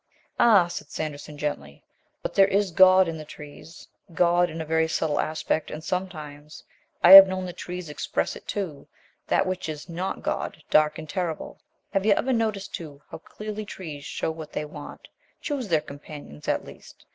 "Ah," said Sanderson gently, "but there is 'God' in the trees. God in a very subtle aspect and sometimes I have known the trees express it too that which is not God dark and terrible. Have you ever noticed, too, how clearly trees show what they want choose their companions, at least?